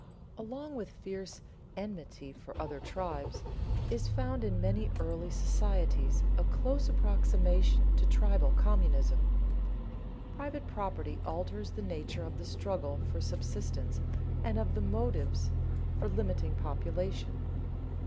Along with a fierce enmity for other tribes, is found in many early societies a close approximation to tribal communism. Private property alters the nature of the struggle for subsistence and of the motives for limiting population.